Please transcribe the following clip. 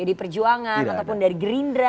dari pd perjuangan ataupun dari gerindra dari pkb